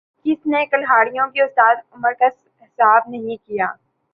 کسی نے کھلاڑیوں کی اوسط عمر کا حساب نہیں کِیا